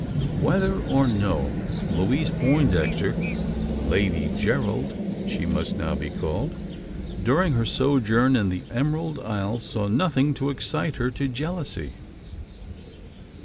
Whether or no, Louise Poindexter Lady Gerald she must now be called during her sojourn in the Emerald Isle saw nothing to excite her to jealousy.